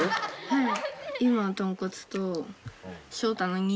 はい。